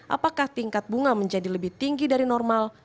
apakah tingkat bunga menjadi lebih tinggi dari normal